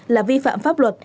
là vi phạm pháp luật